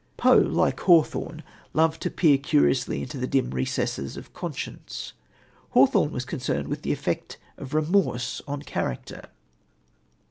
Poe, like Hawthorne, loved to peer curiously into the dim recesses of conscience. Hawthorne was concerned with the effect of remorse on character.